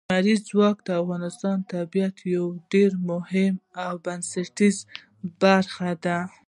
لمریز ځواک د افغانستان د طبیعت یوه ډېره مهمه او بنسټیزه برخه ده.